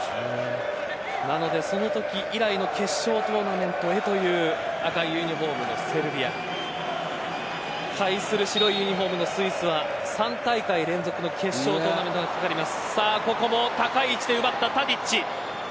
なので、そのとき以来の決勝トーナメントへという赤いユニホームのセルビア。対する白いユニホームのスイスは３大会連続の決勝トーナメントが懸かります。